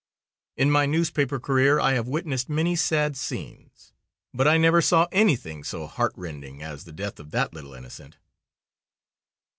_ In my newspaper career I have witnessed many sad scenes, but I never saw anything so heartrending as the death of that little innocent."